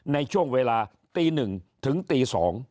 ในช่วงเวลาตี๑ถึงตี๒